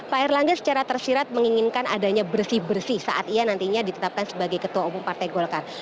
pak erlangga secara tersirat menginginkan adanya bersih bersih saat ia nantinya ditetapkan sebagai ketua umum partai golkar